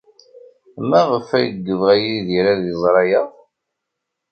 Maɣef ay yebɣa Yidir ad iẓer aya?